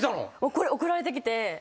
これ送られてきて。